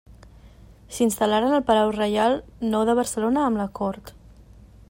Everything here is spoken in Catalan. S'instal·laren al Palau Reial Nou de Barcelona amb la cort.